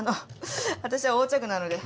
私は横着なので。